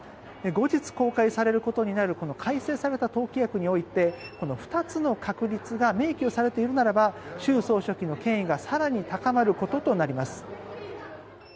後日、公開されることになる改正された党規約においてこの二つの確立が明記をされているならば習総書記の権威が更に高まることとなります。